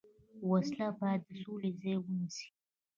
وسله باید د سولې ځای ونیسي